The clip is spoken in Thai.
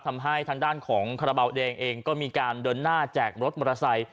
ทำให้ทางด้านของคาราบาลแดงเองก็มีการเดินหน้าแจกรถมอเตอร์ไซค์